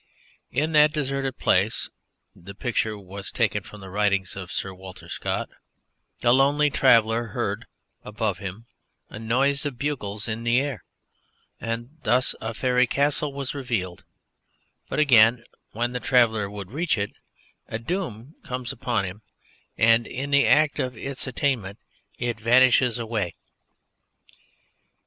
In that deserted place (the picture was taken from the writings of Sir Walter Scott) the lonely traveller heard above him a noise of bugles in the air, and thus a Faery Castle was revealed; but again, when the traveller would reach it, a doom comes upon him, and in the act of its attainment it vanishes away.